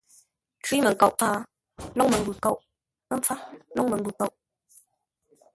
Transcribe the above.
Cwímənkoʼ pfâr, lóŋ məngwʉ̂ kôʼ; ə́ mpfár, lôŋ məngwʉ̂ kôʼ.